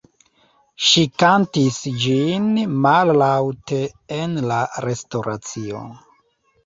Ŝi kantis ĝin mallaŭte en la restoracio.